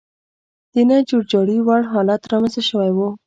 د نه جوړجاړي وړ حالت رامنځته شوی و.